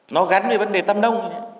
nó gắn với vấn đề tâm nông